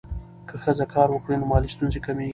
که ښځه کار وکړي، نو مالي ستونزې کمېږي.